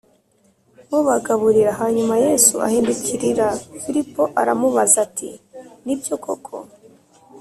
mubagaburira Hanyuma Yesu ahindukirira Filipo aramubaza ati nibyo koko